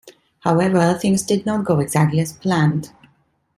However, things did not go exactly as planned.